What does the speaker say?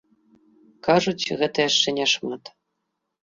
Кажуць, гэта яшчэ не шмат.